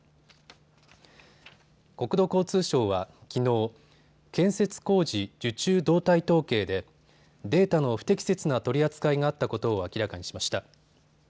国土交通省はきのう、建設工事受注動態統計でデータの不適切な取り扱いがあったことを明らかにしました。